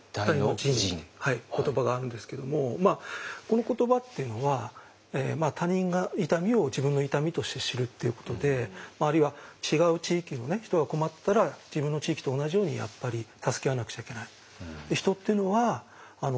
言葉があるんですけどもこの言葉っていうのは他人が痛みを自分の痛みとして知るっていうことであるいは違う地域の人が困ってたら自分の地域と同じようにやっぱり助け合わなくちゃいけない。